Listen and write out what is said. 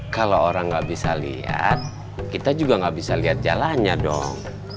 kalau orang nggak bisa lihat kita juga nggak bisa lihat jalannya dong